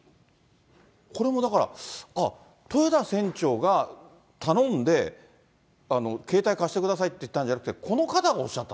これもだから、豊田船長が頼んで、携帯貸してくださいって言ったんじゃなくて、この方がおっしゃっ